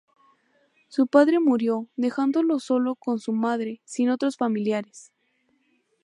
Su padre murió, dejándolo solo con su madre, sin otros familiares.